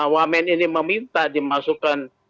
wamen ini meminta dimasukkan